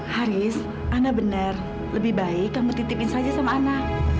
haris ana benar lebih baik kamu titipin saja sama anak